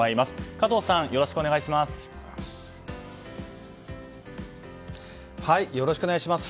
加藤さん、よろしくお願いします。